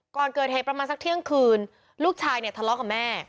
ก่อนเกิดเหตุประมาณสักเที่ยงคืนลูกชายเนี่ยทะเลาะกับแม่